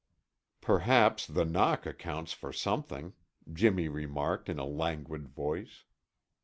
"Perhaps the knock accounts for something," Jimmy remarked in a languid voice.